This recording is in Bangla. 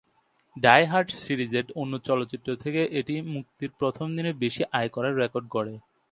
ডাই হার্ড সিরিজের অন্য চলচ্চিত্র থেকে এটি মুক্তির প্রথম দিনে বেশি আয় করার রেকর্ড গড়ে।